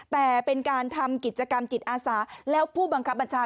แต่เป็นการทำกิจกรรมจิตอาสาแล้วผู้บังคับบัญชา